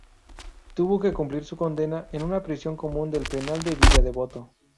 Tuvo que cumplir su condena en una prisión común del Penal de Villa Devoto.